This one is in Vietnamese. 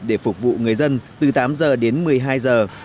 để phục vụ người dân từ tám giờ đến một mươi hai giờ